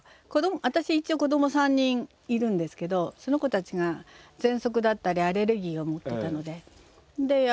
私一応子ども３人いるんですけどその子たちがぜんそくだったりアレルギーを持っていたので。